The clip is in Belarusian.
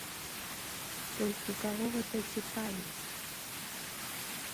Толькі каго гэта цікавіць?